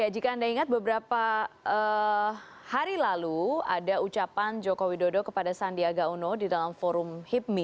jika anda ingat beberapa hari lalu ada ucapan joko widodo kepada sandiaga uno di dalam forum hipmi